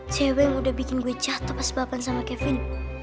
cewek yang udah bikin gue jatuh pas bapan sama kevin